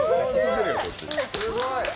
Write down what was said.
すごい。